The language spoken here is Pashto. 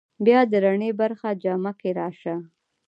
بیا د رڼې پرخې جامه کې راشه